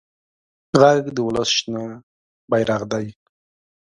غږ د ولس شنه بېرغ دی